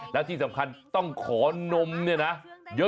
แล้วที่สำคัญต้องขอนมเนี่ยนะ